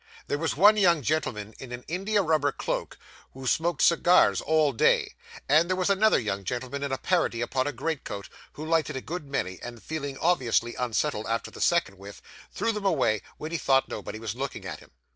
There was one young gentleman in an India rubber cloak, who smoked cigars all day; and there was another young gentleman in a parody upon a greatcoat, who lighted a good many, and feeling obviously unsettled after the second whiff, threw them away when he thought nobody was looking at him.